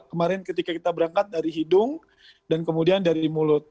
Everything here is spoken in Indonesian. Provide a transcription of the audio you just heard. kemarin ketika kita berangkat dari hidung dan kemudian dari mulut